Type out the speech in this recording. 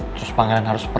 terus panggilan harus perut